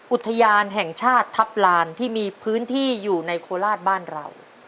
อุทยานแห่งชาติทัพลานที่มีพื้นที่อยู่ในโคราชบ้านเรา